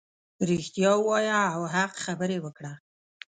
رښتیا ووایه او حق خبرې وکړه .